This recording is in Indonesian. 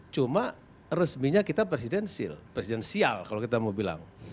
cuma resminya kita presidensil presidensial kalau kita mau bilang